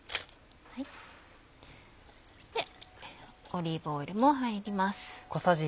オリーブオイルも入ります。